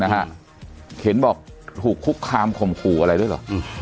เห็นบอกถูกคุกคามข่มขู่อะไรด้วยเหรอ